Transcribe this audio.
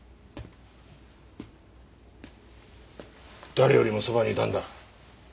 誰よりもそばにいたんだ。